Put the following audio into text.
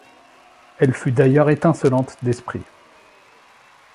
Elle fut d’ailleurs étincelante d’esprit.